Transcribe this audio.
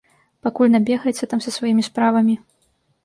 Пакуль набегаецца там са сваімі справамі.